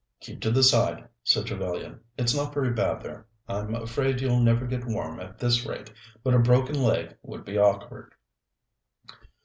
"Keep to the side," said Trevellyan; "it's not very bad there. I'm afraid you'll never get warm at this rate, but a broken leg would be awkward."